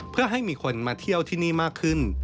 เพื่อให้มีคนมาเที่ยวที่นี่มากขึ้น